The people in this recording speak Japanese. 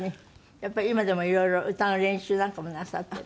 やっぱり今でもいろいろ歌の練習なんかもなさってるの？